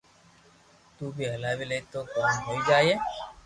تو بي ھلاوي لي تو ڪوم ھوئي جائي